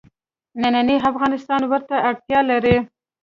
نننی افغانستان ورته اړتیا لري.